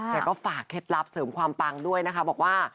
ก็ฝากเคล็ดลับเสริมความปังด้วยนะคะบอกว่า